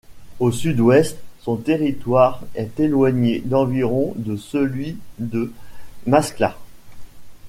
Au sud-ouest, son territoire est éloigné d'environ de celui de Masclat.